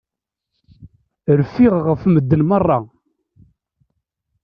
Rfiɣ ɣef medden merra.